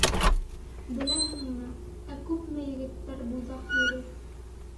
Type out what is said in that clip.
Беләһеңме, ә күпме егеттәр буйҙаҡ йөрөй!